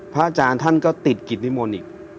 อาจารย์ท่านก็ติดกิจนิมนต์อีก